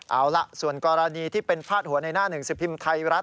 เอาล่ะส่วนกรณีที่เป็นพาดหัวในหน้าหนึ่งสิบพิมพ์ไทยรัฐ